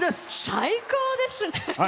最高ですね！